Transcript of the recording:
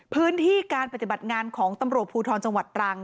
พื้นที่การปฏิบัติงานของตำรวจภูทรจังหวัดตรัง